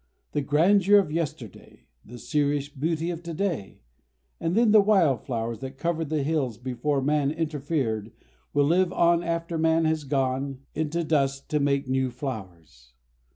The grandeur of yesterday, the serious beauty of today, and then the wild flowers that covered the hills before man interfered and will live on after man has gone into dust to make new flowers.